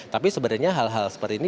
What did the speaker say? tapi sebenarnya hal hal seperti ini